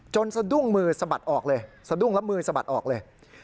สะดุ้งมือสะบัดออกเลยสะดุ้งแล้วมือสะบัดออกเลย